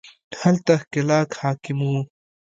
هلته ښکېلاک حاکم وو